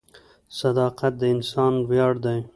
• صداقت د انسان ویاړ دی.